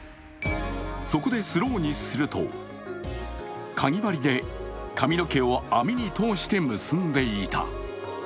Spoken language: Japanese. そこでスローにするとかぎ針で髪の毛を網に通して結んでいた。